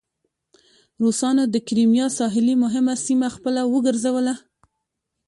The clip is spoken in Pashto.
روسانو د کریمیا ساحلي مهمه سیمه خپله وګرځوله.